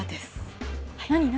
何？